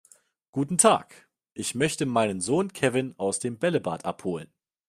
Guten Tag, ich möchte meinen Sohn Kevin aus dem Bällebad abholen.